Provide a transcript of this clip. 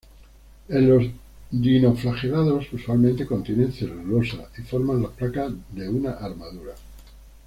En los dinoflagelados usualmente contienen celulosa y forman las placas de una armadura.